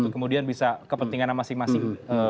kemudian bisa kepentingan masing masing